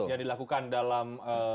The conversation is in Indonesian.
yang dilakukan dalam